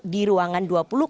di ruangan dua ribu tiga